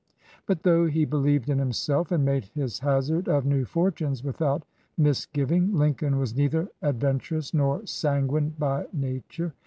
But though he believed in himself and made his hazard of new fortunes without misgiving, Lincoln was neither adventurous nor sanguine by nature.